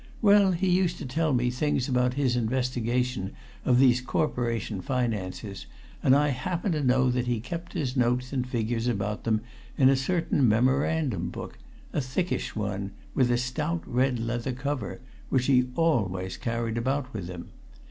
Well, he used to tell me things about his investigation of these Corporation finances, and I happen to know that he kept his notes and figures about them in a certain memorandum book a thickish one, with a stout red leather cover which he always carried about with him.